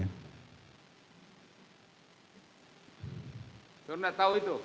anda tidak tahu itu